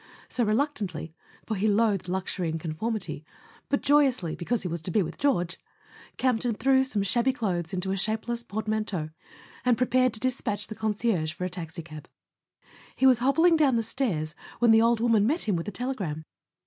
So, re¬ luctantly, for he loathed luxury and conformity, but joyously, because he was to be with George, Campton threw some shabby clothes into a shapeless portman¬ teau, and prepared to despatch the concierge for a taxicab. He was hobbling down the stairs when the old woman met him with a telegram.